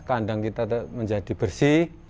kandang kita menjadi bersih